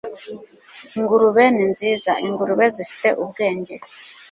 ingurube ni nziza. ingurube zifite ubwenge